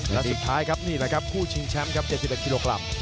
และสุดท้ายนี่แหละคุณชิงแชมป์ครับเจดสิบเอ็กซ์ฮิลูกลับ